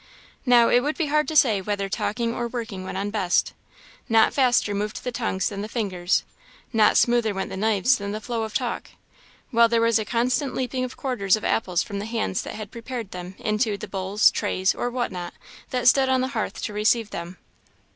Now it would be hard to say whether talking or working went on best. Not faster moved the tongues than the fingers; not smoother went the knives than the flow of talk; while there was a constant leaping of quarters of apples from the hands that had prepared them into the bowls, trays, or whatnot, that stood on the hearth to receive them.